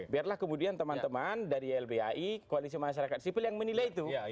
biarlah kemudian teman teman dari ylbai koalisi masyarakat sipil yang menilai itu